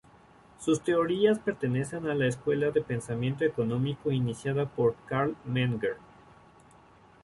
Sus teorías pertenecen a la escuela de pensamiento económico iniciada por Carl Menger.